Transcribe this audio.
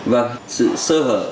vâng sự sơ hở